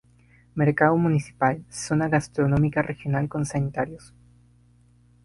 Mercado Municipal, zona gastronómica regional con sanitarios.